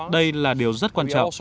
đây là điều rất quan trọng